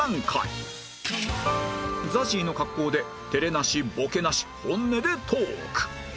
ＺＡＺＹ の格好で照れなしボケなし本音でトーク